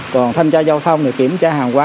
còn thanh tra giao thông thì kiểm tra hàng quá